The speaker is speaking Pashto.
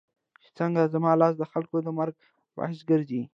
چې څنګه زما لاس دخلکو د مرګ باعث ګرځي